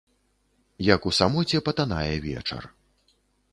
Як у самоце патанае вечар.